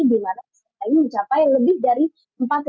di mana ini mencapai lebih dari empat peserta yang merupakan dasar